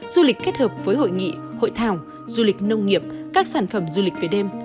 du lịch kết hợp với hội nghị hội thảo du lịch nông nghiệp các sản phẩm du lịch về đêm